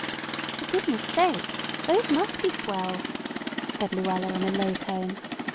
"For goodness' sake! those must be swells," said Luella in a low tone.